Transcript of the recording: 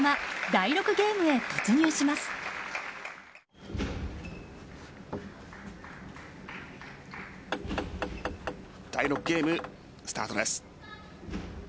第６ゲーム、スタートです。